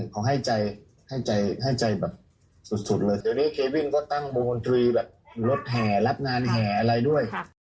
เขาให้ใจสุดเลย